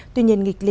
tuy nhiên nghịch lý